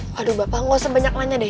waduh bapak gak usah banyak nanya deh